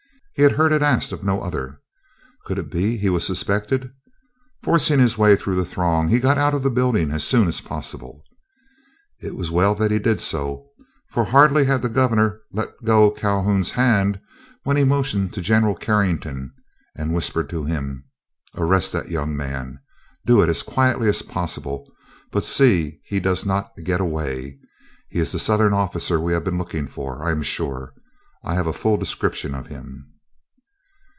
He had heard it asked of no other. Could it be he was suspected? Forcing his way through the throng, he got out of the building as soon as possible. It was well that he did so, for hardly had the Governor let go Calhoun's hand, when he motioned to General Carrington, and whispered to him: "Arrest that young man. Do it as quietly as possible, but see he does not get away. He is the Southern officer we have been looking for, I am sure. I have a full description of him."